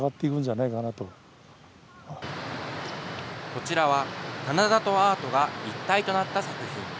こちらは棚田とアートが一体となった作品。